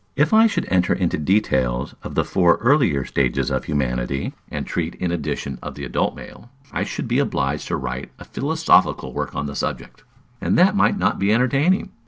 If I should enter into details of the four earlier stages of humanity, and treat in addition of the adult man, I should be obliged to write a philosophical work on the subject, and that might not be entertaining.